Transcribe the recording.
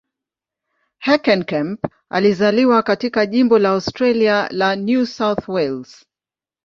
Heckenkamp alizaliwa katika jimbo la Australia la New South Wales.